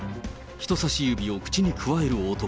人さし指を口にくわえる男。